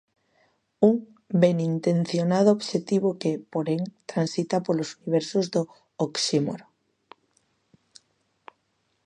Un benintencionado obxectivo que, porén, transita polos universos do oxímoro.